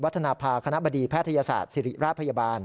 ธนภาคณะบดีแพทยศาสตร์ศิริราชพยาบาล